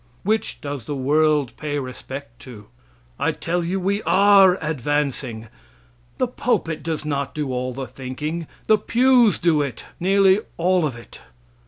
Which does the world pay respect to? I tell you we are advancing! The pulpit does not do all the thinking; the pews do it; nearly all of it.